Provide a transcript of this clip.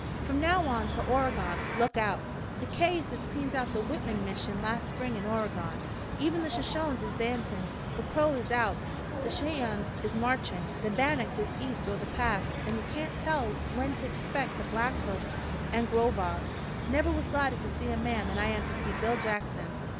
"From now on to Oregon look out! The Cayuses cleaned out the Whitman mission last spring in Oregon. Even the Shoshones is dancin'. The Crows is out, the Cheyennes is marchin', the Bannocks is east o' the Pass, an' ye kain't tell when ter expeck the Blackfoots an' Grow Vaws. Never was gladder to see a man than I am to see Bill Jackson."